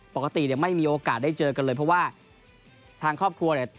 ปกติเนี่ยไม่มีโอกาสได้เจอกันเลยเพราะว่าทางครอบครัวเนี่ย